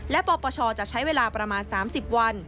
และปปชจะใช้เวลาประมาณ๓๐วัน